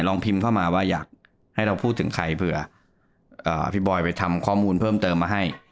พิมพ์เข้ามาว่าอยากให้เราพูดถึงใครเผื่อพี่บอยไปทำข้อมูลเพิ่มเติมมาให้